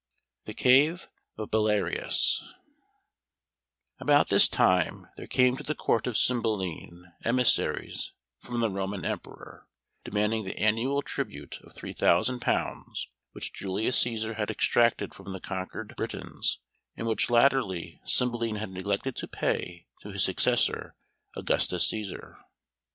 The Cave of Belarius About this time there came to the Court of Cymbeline emissaries from the Roman Emperor, demanding the annual tribute of three thousand pounds which Julius Cæsar had exacted from the conquered Britons, and which latterly Cymbeline had neglected to pay to his successor, Augustus Cæsar.